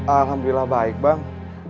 alhamdulillah baik bang